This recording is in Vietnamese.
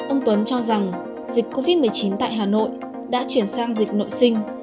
ông tuấn cho rằng dịch covid một mươi chín tại hà nội đã chuyển sang dịch nội sinh